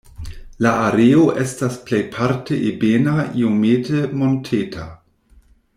La areo estas plejparte ebena, iomete monteta.